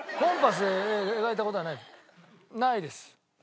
ないです。